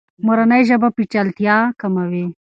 مورنۍ ژبه پیچلتیا کموي.